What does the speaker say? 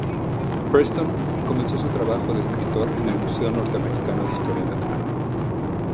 Preston comenzó su trabajo de escritor en el Museo Norteamericano de Historia Natural.